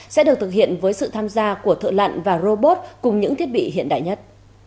sẽ được thực hiện với sự tham gia của thợ lặn và robot cùng những thiết bị hiện đại nhất